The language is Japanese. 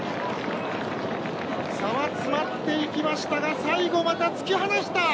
差は詰まっていきましたが最後、また突き放した！